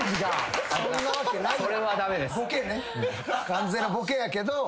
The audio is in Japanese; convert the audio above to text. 完全なボケやけど。